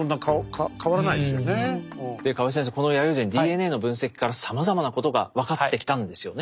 で河合先生この弥生人ＤＮＡの分析からさまざまなことが分かってきたんですよね。